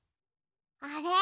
あれ？